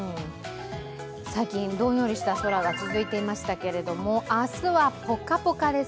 最近、どんよりした空が続いていましたけれども明日はポカポカです。